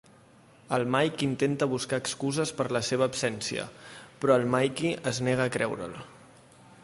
El Mike intenta buscar excuses per la seva absència, però el Mickey es nega a creure'l.